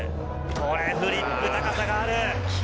トレフリップ、高さがある。